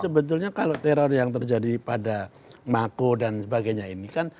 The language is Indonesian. sebetulnya kalau teror yang terjadi pada mako dan sebagainya ini kan